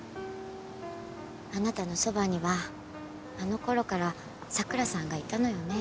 あなたのそばにはあのころから桜さんがいたのよね。